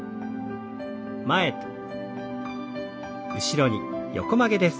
前と後ろに横曲げです。